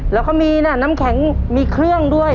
แล้วก็มีน้ำแข็งมีเครื่องด้วย